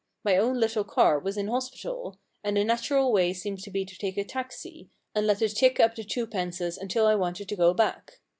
My own little car was in hospital, and the natural way seemed to be to take a taxi, and let it tick up the two pences until I wanted to go back.